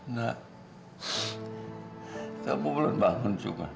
waktuku sudah tiba